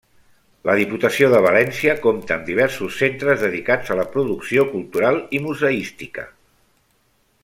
La Diputació de València compta amb diversos centres dedicats a la producció cultural i museística.